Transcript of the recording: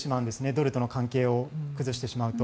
ドルとの関係を崩してしまうと。